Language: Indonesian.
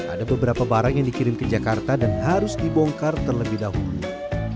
ada beberapa barang yang dikirim ke jakarta dan harus dibongkar terlebih dahulu